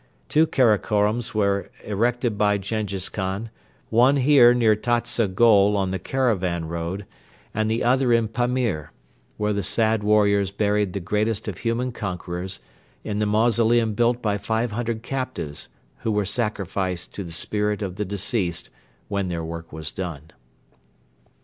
Two Karakorums were erected by Jenghiz Khan, one here near Tatsa Gol on the Caravan Road and the other in Pamir, where the sad warriors buried the greatest of human conquerors in the mausoleum built by five hundred captives who were sacrificed to the spirit of the deceased when their work was done.